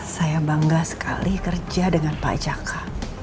saya bangga sekali kerja dengan pak jaka